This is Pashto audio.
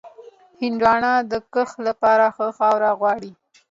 هندوانه د کښت لپاره ښه خاوره غواړي.